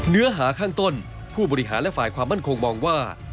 เนื้อหาข้างต้นผู้บริหารและฝ่ายความมั่นคงมองว่า